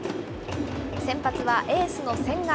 先発はエースの千賀。